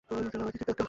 আমার দিকে তাকা!